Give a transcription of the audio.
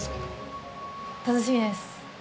楽しみです。